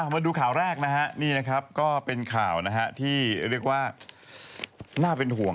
มาดูข่าวแรกก็เป็นข่าวที่เรียกว่าหน้าเป็นห่วง